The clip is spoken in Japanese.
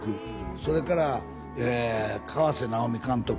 それから河直美監督